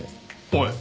おい！